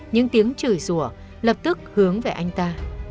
những tiếng chửi sủa lập tức hướng về anh ta